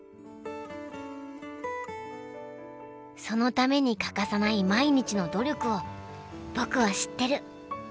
そのために欠かさない毎日の努力を僕は知ってる。